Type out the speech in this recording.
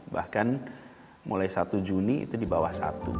bahkan mulai satu juni itu di bawah satu